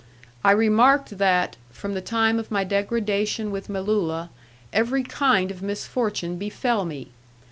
I remarked that, from the time of my degradation with Melulla, every kind of misfortune befell me.